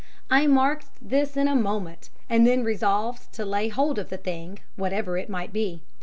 "I marked this in a moment; and then resolved to lay hold of the thing, whatever it might be.